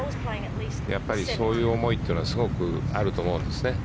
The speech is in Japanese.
やっぱりそういう思いっていうのはすごくあると思うんですね。